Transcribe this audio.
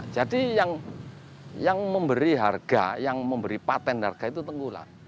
jadi yang memberi harga yang memberi patent harga itu tegulak